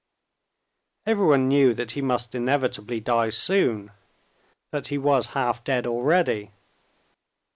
Everyone knew that he must inevitably die soon, that he was half dead already.